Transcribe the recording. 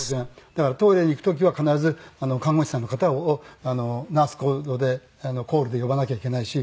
だからトイレに行く時は必ず看護師さんの方をナースコールで呼ばなきゃいけないし。